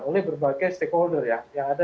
oleh berbagai stakeholder ya